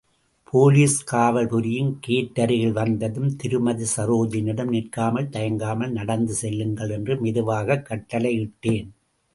போலீஸ்காவல் புரியும் கேட் அருகில் வந்ததும் திருமதி.சரோஜினியிடம் நிற்காமல் தயங்காமல் நடந்து செல்லுங்கள் என்று மெதுவாகக் கட்டளையிட்டேன்.